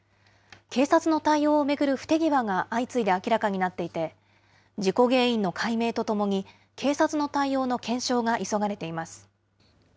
警察の対応を巡る不手際が相次いで明らかになっていて、事故原因の解明とともに、警察の対応の検証が急がれています。